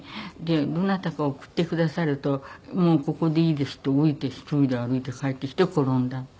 どなたか送ってくださると「もうここでいいです」って降りて１人で歩いて帰ってきて転んだの。